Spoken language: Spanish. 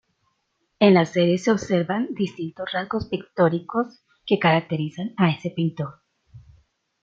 En la serie se observan distintos rasgos pictóricos que caracterizan a ese pintor.